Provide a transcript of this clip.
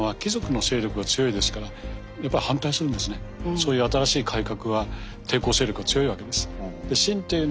そういう新しい改革は抵抗勢力が強いわけです。